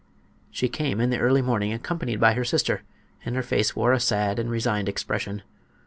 She came in the early morning, accompanied by her sister, and her face wore a sad and resigned expression.